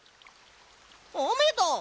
あめだ！